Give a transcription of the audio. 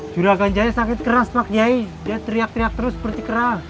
juragan jaya sakit keras pak kiai dia teriak teriak terus seperti keras